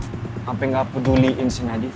sampai gak peduliin si nadif